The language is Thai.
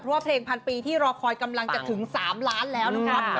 เพราะว่าเพลงพันปีที่รอคอยกำลังจะถึง๓ล้านแล้วนะครับ